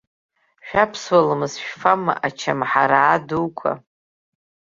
Шәаԥсуа ламыс шәфама, ачамҳараа дуқәа?!